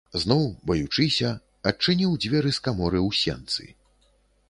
Зноў, баючыся, адчыніў дзверы з каморы ў сенцы.